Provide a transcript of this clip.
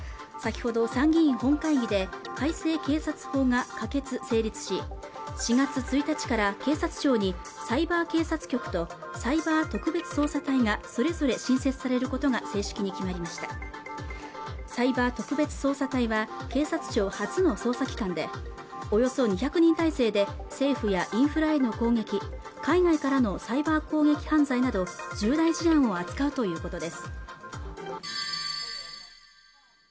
先ほど参議院本会議で改正警察法が可決・成立し４月１日から警察庁にサイバー警察局とサイバー特別捜査隊がそれぞれ新設されることが正式に決まりましたサイバー特別捜査隊は警察庁初の捜査機関でおよそ２００人態勢で政府やインフラへの攻撃海外からのサイバー攻撃犯罪など重大事案を扱うということです